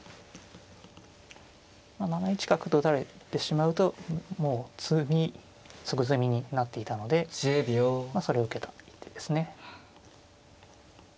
７一角と打たれてしまうともう次即詰みになっていたのでそれを受けた一手ですね。